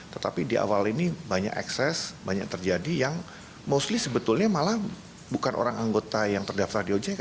tetapi di awal ini banyak ekses banyak terjadi yang mostly sebetulnya malah bukan orang anggota yang terdaftar di ojk